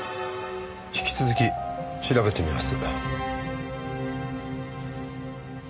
引き続き調べてみます。